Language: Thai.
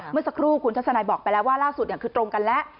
เมื่อสักครู่คุณทัศนายบอกไปแล้วว่าล่าสุดคือตรงกันแล้ว